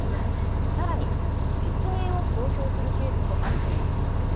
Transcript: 更に、実名を公表するケースもあるということです。